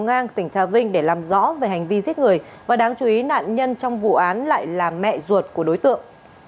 công an tỉnh trà vinh để làm rõ về hành vi giết người và đáng chú ý nạn nhân trong vụ án lại là mẹ ruột của đối tượng